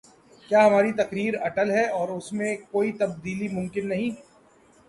کیا ہماری تقدیر اٹل ہے اور اس میں کوئی تبدیلی ممکن نہیں؟